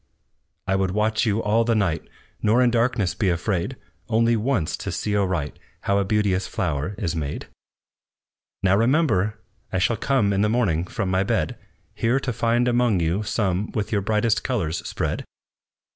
"I would watch you all the night, Nor in darkness be afraid, Only once to see aright How a beauteous flower is made. "Now remember! I shall come In the morning from my bed, Here to find among you some With your brightest colors spread!"